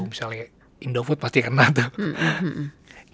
misalnya indofood pasti kena tuh